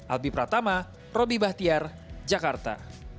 albi pratama robby bahtiar jakarta